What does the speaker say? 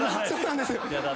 そうなんです。